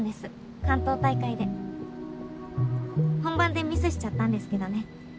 本番でミスしちゃったんですけどね。